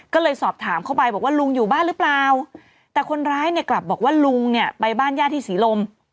ก็เลยสอบถามเข้าไปบอกว่าลุงอยู่บ้านหรือเปล่าแต่คนร้ายเนี่ยกลับบอกว่าลุงเนี่ยไปบ้านญาติที่ศรีลม